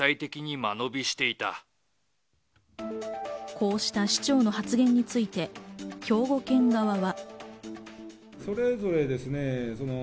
こうした市長の発言について、兵庫県側は。